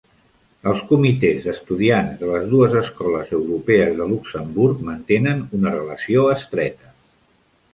Els comitès d'estudiants de les dues Escoles Europees de Luxemburg mantenen una relació estreta.